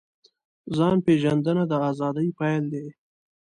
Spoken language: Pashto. ځان پېژندنه د ازادۍ پیل دی.